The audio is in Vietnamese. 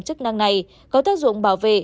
chức năng này có tác dụng bảo vệ